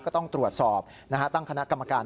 ก็ต้องตรวจสอบตั้งคณะกรรมการ